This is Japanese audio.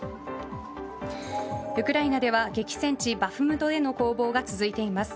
ウクライナでは激戦地バフムトでの攻防が続いています。